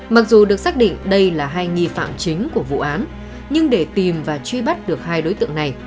mặc dù được xác định đây là hai nghi phạm chính của vụ án nhưng để tìm và truy bắt được hai đối tượng này